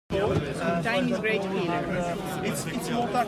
Time is a great healer.